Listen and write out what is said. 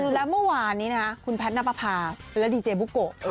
แล้วเมื่อวานนี้นะคุณแพทย์นับประพาและดีเจบุโกะ